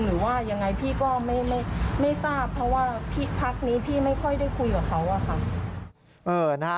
หรือว่ายังไงพี่ก็ไม่ทราบเพราะว่าพักนี้พี่ไม่ค่อยได้คุยกับเขาอะค่ะ